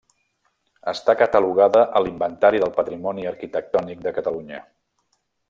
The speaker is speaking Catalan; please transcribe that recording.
Està catalogada a l'Inventari del Patrimoni Arquitectònic de Catalunya.